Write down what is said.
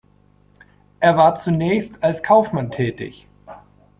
Er war zunächst als Kaufmann tätig.